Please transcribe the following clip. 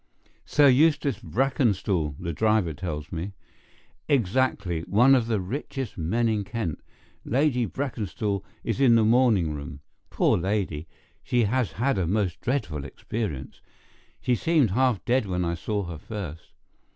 "Sir Eustace Brackenstall, the driver tells me." "Exactly—one of the richest men in Kent—Lady Brackenstall is in the morning room. Poor lady, she has had a most dreadful experience. She seemed half dead when I saw her first.